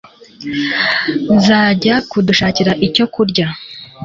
Nzajya kudushakira icyo kurya